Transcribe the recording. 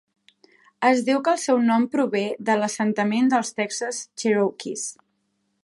Es diu que el seu nom prové de l"assentament dels Texas Cherokees.